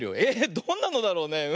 えどんなのだろうね？